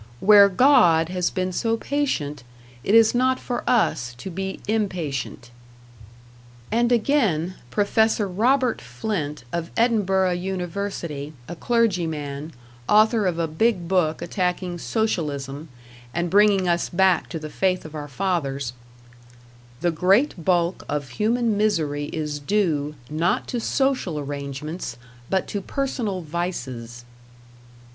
Where God has been so patient, it is not for us to be impatient. And again, Professor Robert Flint, of Edinburgh University, a clergyman, author of a big book attacking Socialism, and bringing us back to the faith of our fathers: The great bulk of human misery is due, not to social arrangements, but to personal vices.